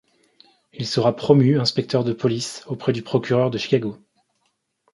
Il sera promu Inspecteur de police auprès du procureur de Chicago.